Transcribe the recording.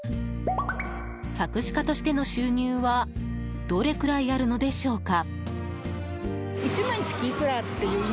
作詞家としての収入はどれくらいあるのでしょうか。